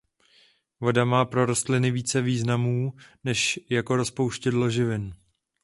Voda má pro rostliny více významů než jako rozpouštědlo živin.